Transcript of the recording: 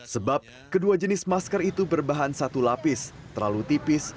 sebab kedua jenis masker itu berbahan satu lapis terlalu tipis